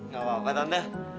gak apa apa tante